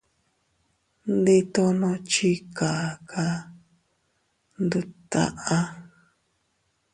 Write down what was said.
Ndi tono chi kaka ndut taʼa.